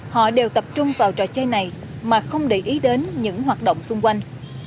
họ đều tập trung vào trò chơi này mà không để ý đến những hoạt động xung quanh